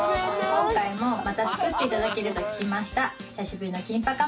今回もまた作って頂けると聞きました。